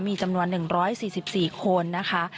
มีจำนวน๑๔๔คนนะคะ